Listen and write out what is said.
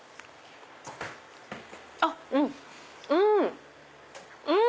あっうん！